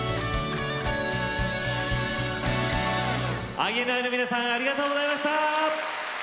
ＩＮＩの皆さんありがとうございました。